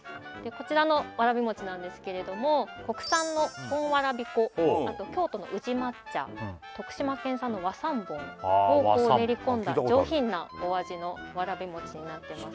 こちらのわらび餅なんですけれども国産の本わらび粉あと京都の宇治抹茶徳島県産の和三盆を練り込んだ上品なお味のわらび餅になってます